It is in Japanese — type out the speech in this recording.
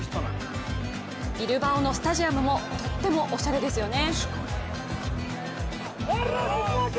ビルバオのスタジアムもとってもおしゃれですよね。